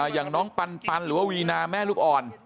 อย่างน้องปันหรือว่าวีนาแม่ลูกอ่อน